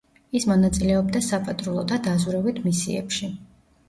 ის მონაწილეობდა საპატრულო და დაზვერვით მისიებში.